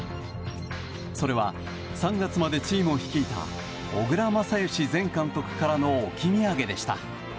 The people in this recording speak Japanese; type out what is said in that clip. それは、３月までチームを率いた小倉全由前監督からの置き土産でした。